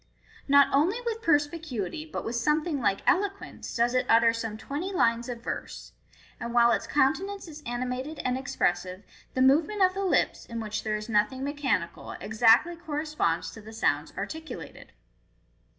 Not only with perspicuity, but with something like eloquence, does it utter some twenty lines of verse ; and while its countenance is animated and expressive, the movement of the lips, in which there is nothing mechanical, exactly corresponds to the sounds articulated.